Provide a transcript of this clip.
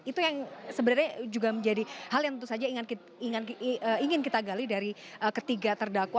itu yang sebenarnya juga menjadi hal yang tentu saja ingin kita gali dari ketiga terdakwa